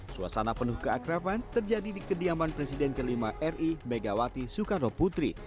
suasana penuh keakraban terjadi di kediaman presiden kelima ri megawati soekarno putri